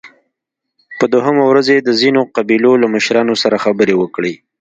په دوهمه ورځ يې د ځينو قبيلو له مشرانو سره خبرې وکړې